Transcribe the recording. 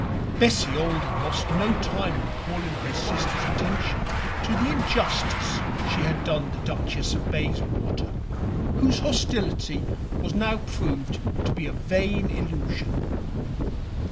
Bessie Alden lost no time in calling her sister's attention to the injustice she had done the Duchess of Bayswater, whose hostility was now proved to be a vain illusion.